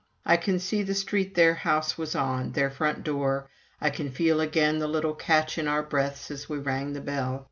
I can see the street their house was on, their front door; I can feel again the little catch in our breaths as we rang the bell.